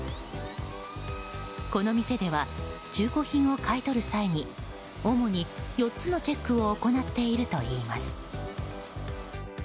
この店では中古品を買い取る際に主に４つのチェックを行っているといいます。